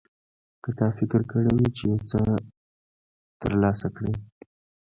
که تا فکر کړی وي چې یو څه ترلاسه کړې.